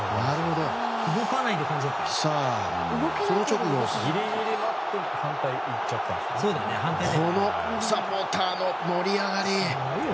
その直後このサポーターの盛り上がり。